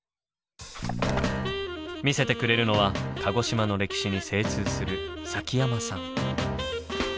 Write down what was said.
見せてくれるのは鹿児島の歴史に精通する崎山さん。